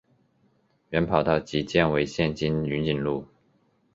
原跑道即改建为现今云锦路。